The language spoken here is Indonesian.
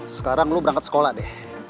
sekarang lo berangkat sekolah deh